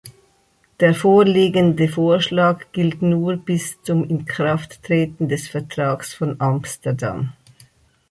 Der vorliegende Vorschlag gilt nur bis zum Inkrafttreten des Vertrags von Amsterdam.